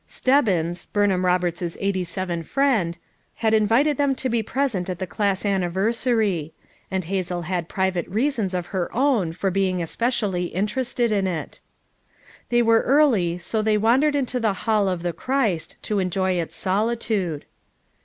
'' Steb bins" Burnham Roberts 's '87 friend, had in vited them to be present at the class anniver sary; and Hazel had private reasons of her own for being especially interested in it. They 392 FOUR MOTHERS AT CHAUTAUQUA were early, so they wandered into the "Hall of the Christ" to enjoy its solitude.